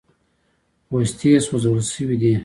پوستې سوځول سوي دي.